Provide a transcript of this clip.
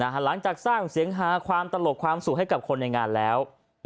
หลังจากสร้างเสียงฮาความตลกความสุขให้กับคนในงานแล้ว